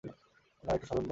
না, একটুও সন্দেহ না।